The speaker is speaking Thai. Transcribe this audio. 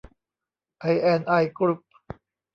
ไอแอนด์ไอ กรุ๊ป